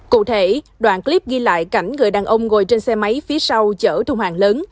cụ thể đoạn clip ghi lại cảnh người đàn ông ngồi trên xe máy phía sau chở thùng hàng lớn